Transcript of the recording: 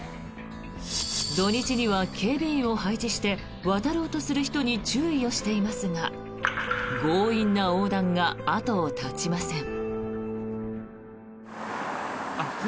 土日には警備員を配置して渡ろうとする人に注意をしていますが強引な横断が後を絶ちません。